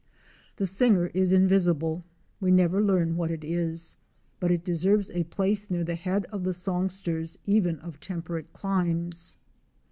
The singer is invisible; we never learn what it is, but it deserves a place near the head of the songsters even of temperate climes.